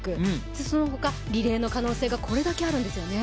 その他リレーの可能性がこれだけあるんですね。